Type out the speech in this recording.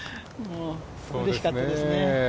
うれしかったですね。